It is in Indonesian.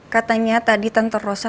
katanya tadi tante rosa